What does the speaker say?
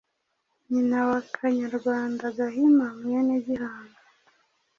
Nyina wa Kanyarwanda Gahima, mwene Gihanga,